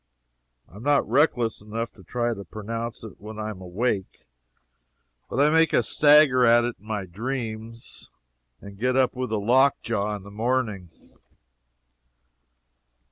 I am not reckless enough to try to pronounce it when I am awake, but I make a stagger at it in my dreams, and get up with the lockjaw in the morning.